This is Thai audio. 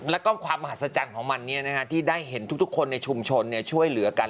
แล้วก็ความมหัศจรรย์ของมันที่ได้เห็นทุกคนในชุมชนช่วยเหลือกัน